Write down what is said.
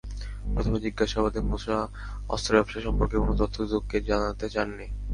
প্রথম জিজ্ঞাসাবাদে মুসা অস্ত্র ব্যবসা সম্পর্কে কোনো তথ্য দুদককে জানাতে চাননি।